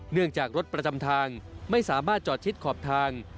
เนื่องจากรถประจำทางไม่สามารถจอดชิดขอบทาง